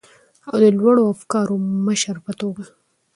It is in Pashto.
او د لوړو افکارو مشر په توګه،